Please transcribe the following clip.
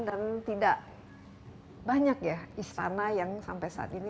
dan tidak banyak ya istana yang sampai saat ini